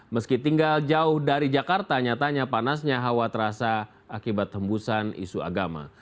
meski tinggal jauh dari jakarta nyatanya panasnya hawa terasa akibat tembusan isu agama